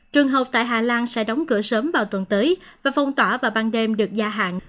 trường học tại hà lan sẽ đóng cửa sớm vào tuần tới và phong tỏa vào ban đêm được gia hạn